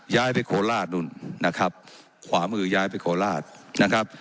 ย้ายไปโคราชนู่นนะครับขวามือย้ายไปโคราชนะครับ